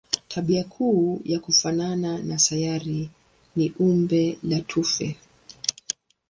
Tabia kuu ya kufanana na sayari ni umbo la tufe.